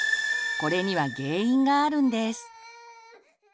これには原因があるんです。